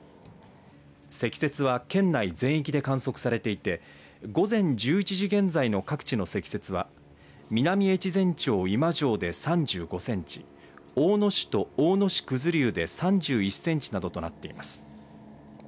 積雪は県内全域で観測されていて午前１１時現在の各地の積雪は南越前町今庄で３５センチ大野市と大野市九頭竜で３２センチなどとなっています。